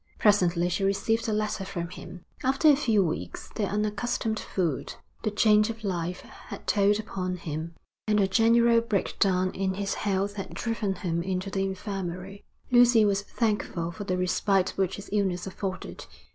Presently she received a letter from him. After a few weeks, the unaccustomed food, the change of life, had told upon him; and a general breakdown in his health had driven him into the infirmary. Lucy was thankful for the respite which his illness afforded.